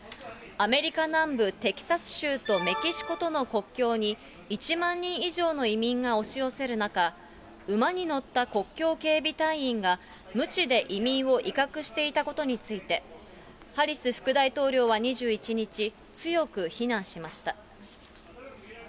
アメリカ南部テキサス州とメキシコとの国境に１万人以上の移民が押し寄せる中、馬に乗った国境警備隊員がむちで移民を威嚇していたことについて、ハリス副大統領は２１日、強く非難しました。